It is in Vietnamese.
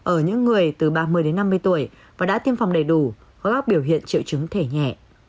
ở những người từ ba mươi đến năm mươi tuổi và đã tiêm phòng đầy đủ các biểu hiện triệu chứng thể nhẹ